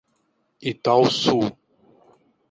Itauçu